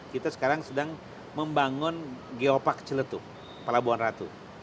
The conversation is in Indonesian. kita sekarang sedang membangun geopark celetu pelabuhan ratu